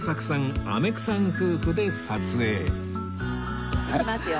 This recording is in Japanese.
めくさん夫婦で撮影いきますよ。